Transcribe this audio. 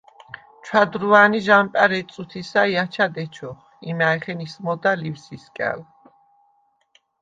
ჩვადრუვან ი ჟ’ანპარ ეჯ წუთისა ი აჩად ეჩოხ, იმა̈ჲხენ ისმოდა ლივსისკა̈ლ.